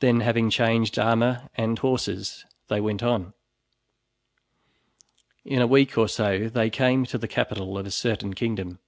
Then having changed armor and horses, they went on. In a week or so they came to the capital of a certain kingdom.